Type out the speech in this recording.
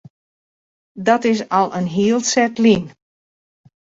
Dat is al in hiel set lyn.